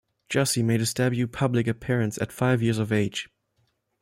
Jussi made his debut public appearance at five years of age.